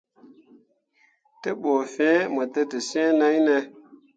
Te ɓu fĩĩ mo dǝtǝs̃ǝǝ nai ne ?